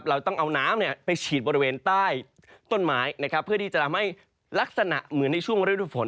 เราต้องเอาน้ำไปฉีดบริเวณใต้ต้นไม้นะครับเพื่อที่จะทำให้ลักษณะเหมือนในช่วงฤดูฝน